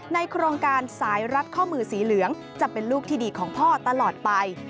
โครงการสายรัดข้อมือสีเหลืองจะเป็นลูกที่ดีของพ่อตลอดไป